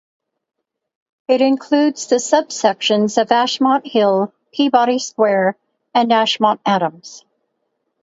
It includes the subsections of Ashmont Hill, Peabody Square, and Ashmont-Adams.